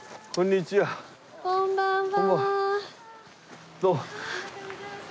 こんばんは。